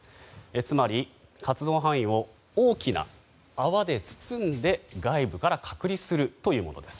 つまり、活動範囲を大きな泡で包んで外部から隔離するというものです。